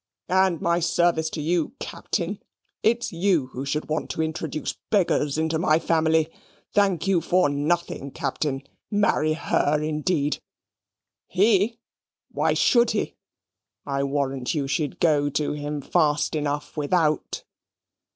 and my service to you, CAPTAIN. It's you who want to introduce beggars into my family. Thank you for nothing, Captain. Marry HER indeed he, he! why should he? I warrant you she'd go to him fast enough without."